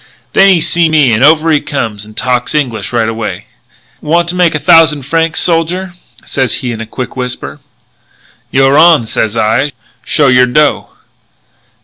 "Then he seen me and over he comes and talks English right away: 'Want to make a thousand francs, soldier?' sez he in a quick whisper. 'You're on,' sez I; 'show your dough.'